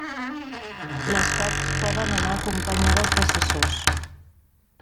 Les parts poden anar acompanyades d'assessors.